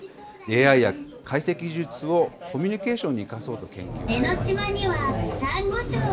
ＡＩや解析技術をコミュニケーションに生かそうと研究しています。